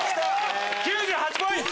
９８ポイント！